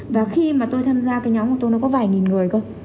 và khi mà tôi tham gia cái nhóm của tôi nó có vài nghìn người cơ